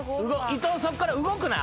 伊藤そっから動くな。